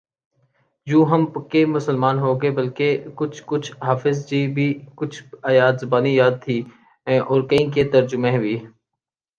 یوں ہم پکے مسلمان ہوگئے بلکہ کچھ کچھ حافظ جی بھی کہ کچھ آیات زبانی یاد تھیں اور کئی کے ترجمے بھی